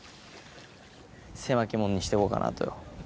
狭き門にしてこうかなと。